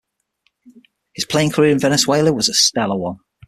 His playing career in Venezuela was a stellar one.